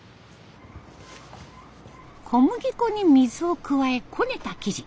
小麦粉に水を加えこねた生地。